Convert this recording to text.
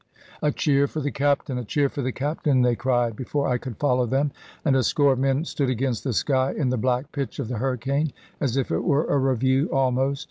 "A cheer for the Captain, a cheer for the Captain!" they cried before I could follow them, and a score of men stood against the sky, in the black pitch of the hurricane, as if it were a review almost.